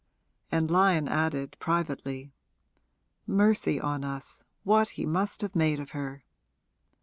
And Lyon added, privately, 'Mercy on us, what he must have made of her!'